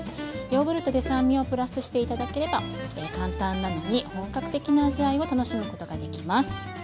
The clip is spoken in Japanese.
ヨーグルトで酸味をプラスして頂ければ簡単なのに本格的な味わいを楽しむことができます。